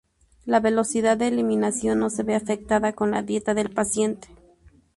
La velocidad de eliminación no se ve afectada con la dieta del paciente.